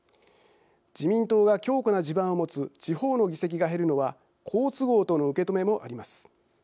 自民党が強固な地盤を持つ地方の議席が減るのは好都合との受け止めもあります。